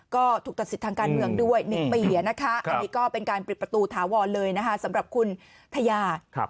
ก็ถูกตัดสิทธิ์ทางการเมืองด้วย๑ปีนะคะอันนี้ก็เป็นการปิดประตูถาวรเลยนะคะสำหรับคุณทะยา